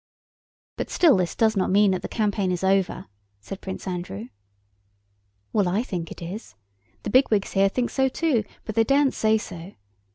"But still this does not mean that the campaign is over," said Prince Andrew. "Well, I think it is. The bigwigs here think so too, but they daren't say so.